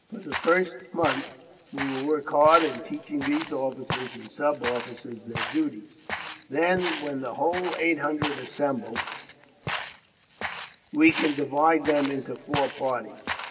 "For the first month, we will work hard in teaching these officers and sub officers their duties. Then, when the whole eight hundred assemble, we can divide them into four parties.